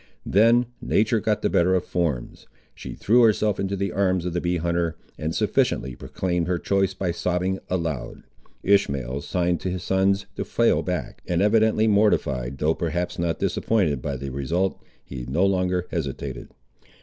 Then nature got the better of forms. She threw herself into the arms of the bee hunter, and sufficiently proclaimed her choice by sobbing aloud. Ishmael signed to his sons to fall back, and evidently mortified, though perhaps not disappointed by the result, he no longer hesitated.